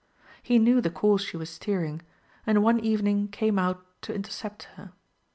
He knew the course she was steering, and one evening came out to intercept her.